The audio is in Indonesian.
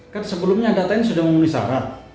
kan sebelumnya data ini sudah memenuhi syarat